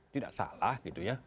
tidak salah gitu ya